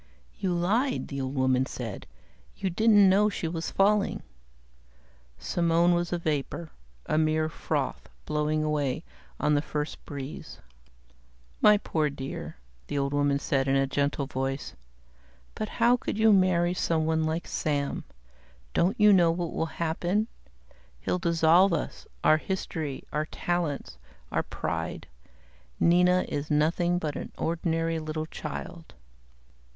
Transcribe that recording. "You lied," the old woman said. "You didn't know she was falling." Simone was a vapor, a mere froth blowing away on the first breeze. "My poor dear," the old woman said in a gentle voice. "But how could you marry someone like Sam? Don't you know what will happen? He'll dissolve us, our history, our talents, our pride. Nina is nothing but an ordinary little child."